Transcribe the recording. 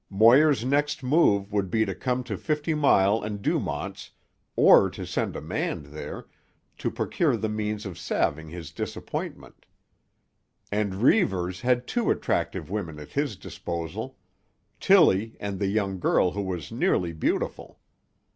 Moir's next move would be to come to Fifty Mile and Dumont's, or to send a man there, to procure the means of salving his disappointment. And Reivers had two attractive women at his disposal, Tillie, and the young girl who was nearly beautiful.